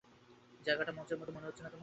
জায়গাটা মঞ্চের মতো মনে হচ্ছে না তোমার?